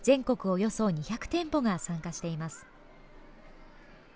およそ２００店舗が参加しています。